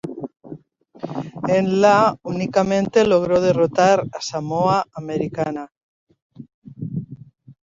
En la únicamente logró derrotar a Samoa Americana.